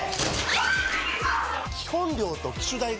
基本料と機種代が